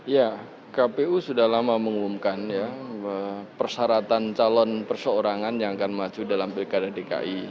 ya kpu sudah lama mengumumkan ya persyaratan calon perseorangan yang akan maju dalam pilkada dki